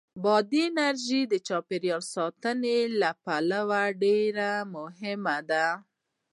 بادي انرژي د افغانستان د چاپیریال ساتنې لپاره ډېر مهم دي.